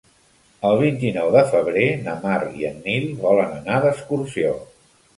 El vint-i-nou de febrer na Mar i en Nil volen anar d'excursió.